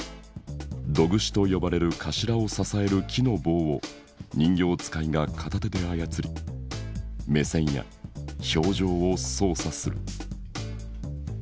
胴串と呼ばれる首を支える木の棒を人形遣いが片手で操り目線や表情を操作する。